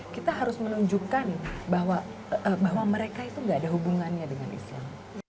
kita harus menunjukkan bahwa mereka itu tidak ada hubungannya dengan islam